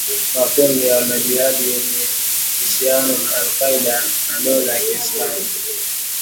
Makundi ya wanajihadi yenye uhusiano na al-Qaeda na Dola ya Kiislamiu